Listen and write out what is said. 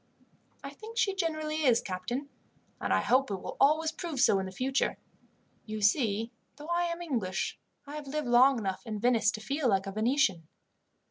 "I think she generally is, captain, and I hope it will always prove so in the future. You see, though I am English, I have lived long enough in Venice to feel like a Venetian."